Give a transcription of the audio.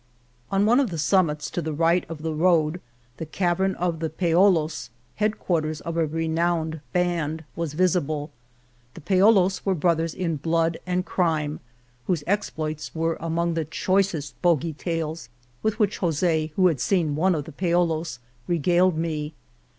On one of the summits to the right of the road, the cavern of the Paolos, head quarters of a renowned band, was visible. The Pao los were brothers in blood and crime whose exploits were among the choicest bogy tales with which Jos6, who had seen one of the Paolos, regaled me.